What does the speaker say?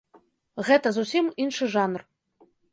Гэта зусім іншы жанр.